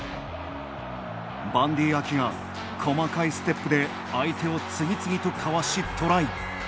バンディー・アキが細かいステップで相手を次々とかわし、トライ。